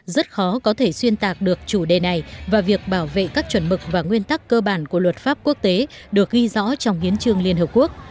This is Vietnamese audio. rất khó có thể xuyên tạc được chủ đề này và việc bảo vệ các chuẩn mực và nguyên tắc cơ bản của luật pháp quốc tế được ghi rõ trong hiến trương liên hợp quốc